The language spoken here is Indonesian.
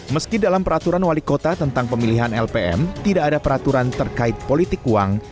meski dalam peraturan wali kota tentang pemilihan lpm tidak ada peraturan terkait politik uang